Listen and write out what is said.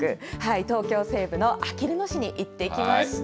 東京西部のあきる野市に行ってきました。